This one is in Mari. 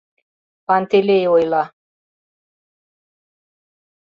— Пантелей ойла.